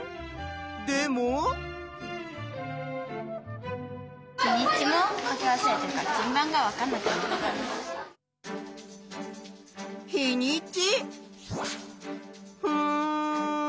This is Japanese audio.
でも？日にち？